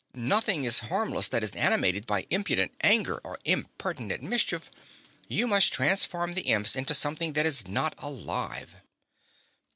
"Nothing is harmless that is animated by impudent anger or impertinent mischief. You must transform the Imps into something that is not alive."